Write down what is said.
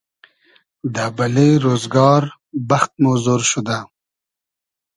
دۂ بئلې رۉزگار بئخت مۉ زۉر شودۂ